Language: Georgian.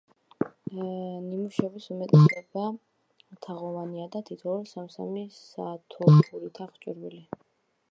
ნიშების უმეტესობა თაღოვანია და თითოეული სამ-სამი სათოფურითაა აღჭურვილი.